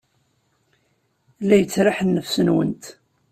La yettraḥ nnefs-nwent.